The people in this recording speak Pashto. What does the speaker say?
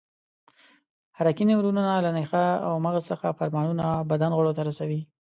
حرکي نیورونونه له نخاع او مغز څخه فرمانونه بدن غړو ته رسوي.